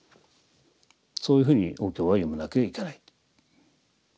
そういうふうにお経は読まなきゃいけない。